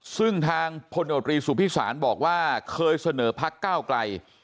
ซึ่งทางพลโนตรีสุพิสารบอกว่าเคยเสนอพักก้าวไกล